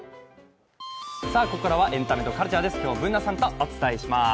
ここからは「エンタメとカルチャー」今日もＢｏｏｎａちゃんとお伝えします